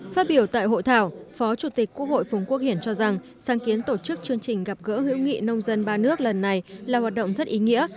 phát biểu tại hội thảo phó chủ tịch quốc hội phùng quốc hiển cho rằng sáng kiến tổ chức chương trình gặp gỡ hữu nghị nông dân ba nước lần này là hoạt động rất ý nghĩa